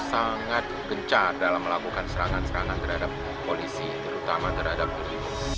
sangat gencar dalam melakukan serangan serangan terhadap polisi terutama terhadap diri